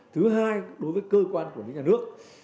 thứ hai đối với cơ quan của những nhà nước